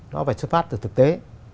nó phải xuất phát từ thực tế